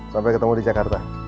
sampai ketemu di jakarta